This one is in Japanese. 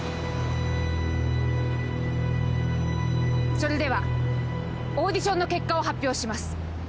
それではオーディションの結果を発表します。